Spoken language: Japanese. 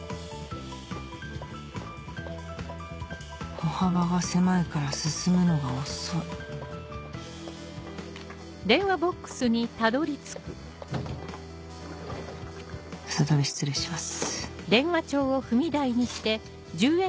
歩幅が狭いから進むのが遅い再び失礼します